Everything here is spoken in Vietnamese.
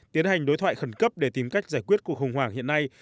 tiến hành đối thoại khẩn cấp để tìm cách giải quyết cuộc khủng hoảng hiện nay